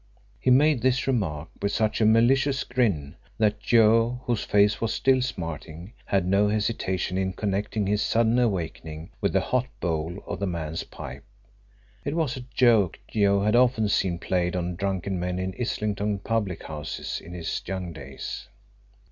He made this remark with such a malicious grin that Joe, whose face was still smarting, had no hesitation in connecting his sudden awakening with the hot bowl of the man's pipe. It was a joke Joe had often seen played on drunken men in Islington public houses in his young days.